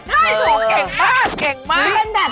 ใช่โถเก่งมากเก่งมาก